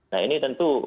nah ini tentu